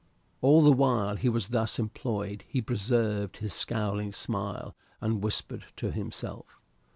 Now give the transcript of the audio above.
All the while he was thus employed he preserved his scowling smile, and whispered to himself.